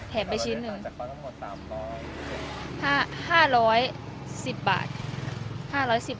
แถมไปชิ้นหนึ่งภาพโนมัติต่างจากเขาตั้งหมดตามต้อง๑๐บาท